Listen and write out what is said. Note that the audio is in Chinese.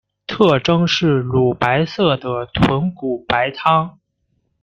特征是乳白色的豚骨白汤。